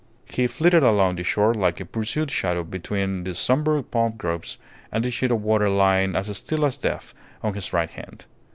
He flitted along the shore like a pursued shadow between the sombre palm groves and the sheet of water lying as still as death on his right hand.